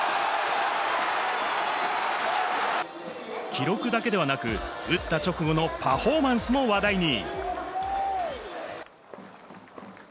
記録だけではなく、打った直後のパフォーマンスも話題に。